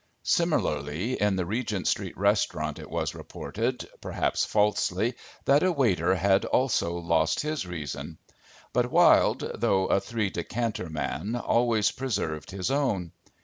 Similarly in the Regent street restaurant it was reported, perhaps falsely, that a waiter had also lost his reason. But Wilde, though a three decanter man, always preserved his own.